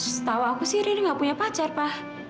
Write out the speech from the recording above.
setahu aku sih riri nggak punya pacar pa